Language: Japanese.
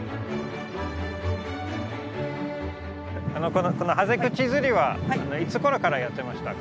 このハゼクチ釣りはいつころからやってましたか？